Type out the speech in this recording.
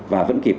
và vẫn kịp